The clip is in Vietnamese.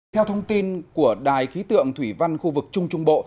theo thông tin của đài khí tượng thủy văn khu vực trung trung bộ